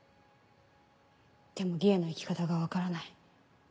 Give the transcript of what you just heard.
でも魏への行き方が分からない。